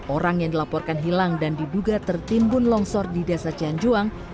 orang yang dilaporkan hilang dan diduga tertimbun longsor di desa cianjuang